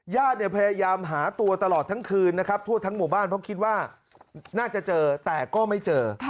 พยายามหาตัวตลอดทั้งคืนนะครับทั่วทั้งหมู่บ้านเพราะคิดว่าน่าจะเจอแต่ก็ไม่เจอ